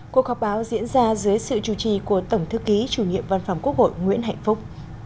cuộc họp báo diễn ra dưới sự chủ trì của tổng thư ký chủ nhiệm văn phòng quốc hội nguyễn hạnh phúc